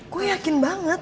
kok yakin banget